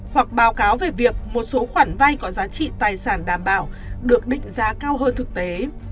hoặc báo cáo về việc một số khoản vay có giá trị tài sản đảm bảo được định giá cao hơn thực tế